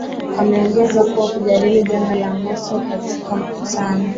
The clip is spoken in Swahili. Ameongeza kuwa kujadili janga la moto katika mkutano